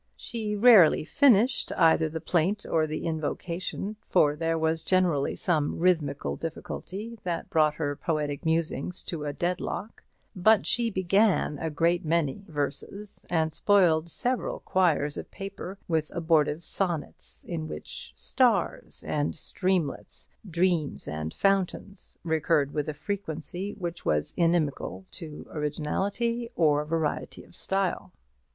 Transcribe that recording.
She rarely finished either the plaint or the invocation, for there was generally some rhythmical difficulty that brought her poetic musings to a dead lock; but she began a great many verses, and spoiled several quires of paper with abortive sonnets, in which "stars" and "streamlets," "dreams" and "fountains," recurred with a frequency which was inimical to originality or variety of style.